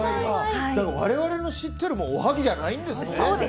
我々の知っているおはぎじゃないんですね。